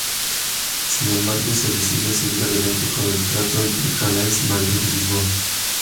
Sin embargo, se decidió seguir adelante con el tramo entre Calais, Madrid y Lisboa.